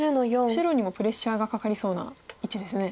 白にもプレッシャーがかかりそうな位置ですね。